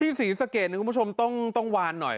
ที่ศรีสเกรดคุณผู้ชมต้องวานหน่อย